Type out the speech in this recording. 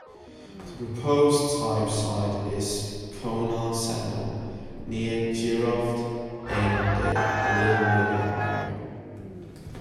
The proposed type site is Konar Sandal, near Jiroft in the Halil River area.